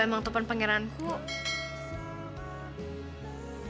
kau emang topan pangeranku